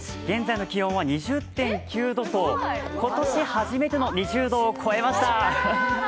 現在の気温は２０．９度と今年初めての２０度を超えました。